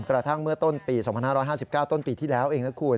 กระทั่งเมื่อต้นปี๒๕๕๙ต้นปีที่แล้วเองนะคุณ